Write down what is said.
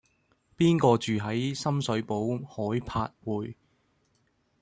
邊個住喺深水埗海柏匯